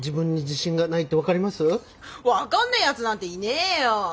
分かんねえやつなんていねえよ。